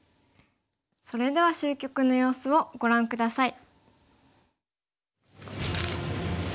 それでは終局の様子をご覧下さい。